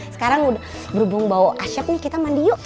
sekarang berhubung bau asep nih kita mandi yuk